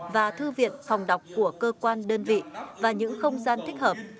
và thư viện phòng đọc của cơ quan đơn vị và những không gian thích hợp